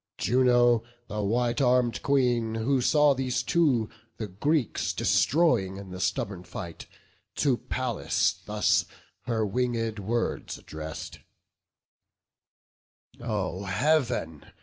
Juno, the white arm'd Queen, who saw these two The Greeks destroying in the stubborn fight, To Pallas thus her winged words address'd: "O Heav'n!